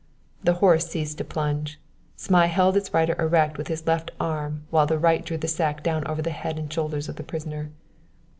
The horse ceased to plunge; Zmai held its rider erect with his left arm while the right drew the sack down over the head and shoulders of the prisoner.